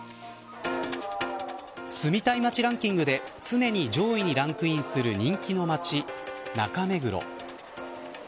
住みたい街ランキングで常に上位にランキングする人気の街、中目黒。